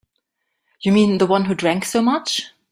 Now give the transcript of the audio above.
You mean the one who drank so much?